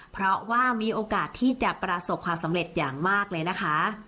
เพราะว่ามีโอกาสที่จะประสบความสำเร็จอย่างมากเลยนะคะ